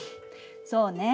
そうね。